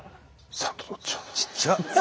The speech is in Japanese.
ちっちゃ！